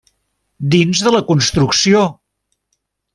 Dins de la construcció.